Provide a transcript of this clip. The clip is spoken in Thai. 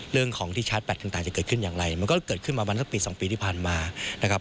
เรื่องของที่ชาร์จแบตต่างจะเกิดขึ้นอย่างไรมันก็เกิดขึ้นมาวันสักปี๒ปีที่ผ่านมานะครับ